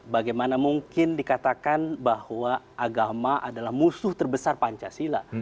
bagaimana mungkin dikatakan bahwa agama adalah musuh terbesar pancasila